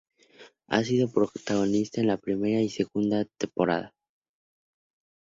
Ha sido protagonista en la primera y segunda temporadas.